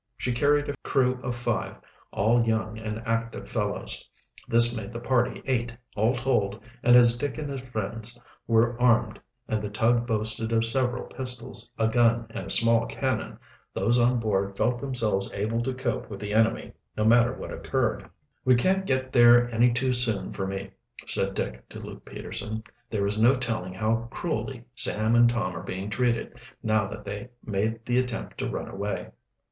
She carried a crew of five, all young and active fellows. This made the party eight, all told, and as Dick and his friends were armed and the tug boasted of several pistols, a gun, and a small cannon, those on board felt themselves able to cope with the enemy, no matter what occurred. "We can't get there any too soon for me," said Dick to Luke Peterson. "There is no telling how cruelly Sam and Tom are being treated, now that they made the attempt to run away."